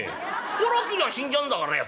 腹切りゃ死んじゃうんだからよ。